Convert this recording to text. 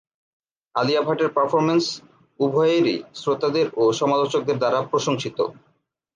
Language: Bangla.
আলিয়া ভাটের পারফরম্যান্স উভয়েরই শ্রোতাদের ও সমালোচকদের দ্বারা প্রশংসিত।